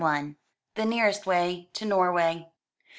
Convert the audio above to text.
The nearest Way to Norway.